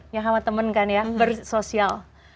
ya sama temen kan ya bersosial